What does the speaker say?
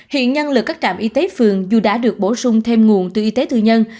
hiện nhân lực các trạm y tế phường dù đã được bổ sung thêm nguồn từ y tế tư nhân